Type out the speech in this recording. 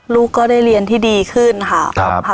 ลูกก็ได้เรียนที่ดีขึ้นค่ะ